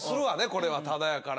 これはタダやから。